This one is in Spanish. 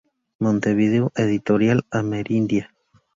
Montevideo: Editorial Amerindia.